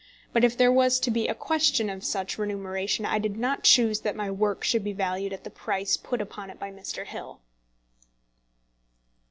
But if there was to be a question of such remuneration, I did not choose that my work should be valued at the price put upon it by Mr. Hill.